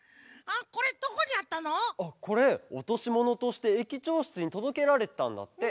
あっこれおとしものとして駅長しつにとどけられてたんだって。